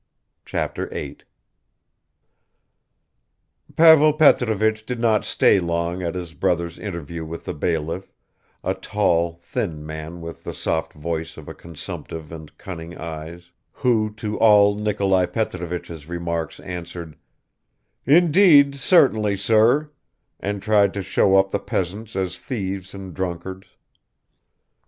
Chapter 8 PAVEL PETROVICH DID NOT STAY LONG AT HIS BROTHER'S INTERVIEW with the bailiff, a tall, thin man with the soft voice of a consumptive and cunning eyes, who to all Nikolai Petrovich's remarks answered, "Indeed, certainly, sir," and tried to show up the peasants as thieves and drunkards.